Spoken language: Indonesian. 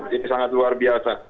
jadi sangat luar biasa